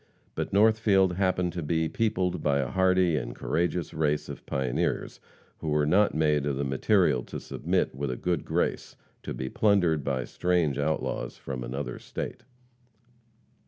But Northfield happened to be peopled by a hardy and courageous race of pioneers who were not made of the material to submit with a good grace to be plundered by strange outlaws from another state.